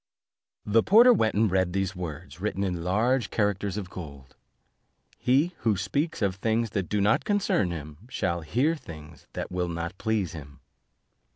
The porter went and read these words, written in large characters of gold: "He who speaks of things that do not concern him, shall hear things that will not please him."